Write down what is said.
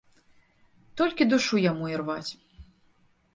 Толькі душу яму ірваць.